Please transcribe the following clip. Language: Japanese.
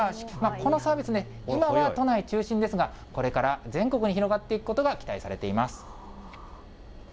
このサービス、今は都内中心ですが、これから全国に広がっていくことが期待されています。